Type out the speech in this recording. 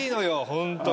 ホントに。